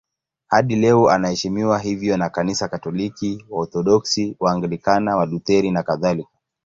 Hadi leo anaheshimiwa hivyo na Kanisa Katoliki, Waorthodoksi, Waanglikana, Walutheri nakadhalika.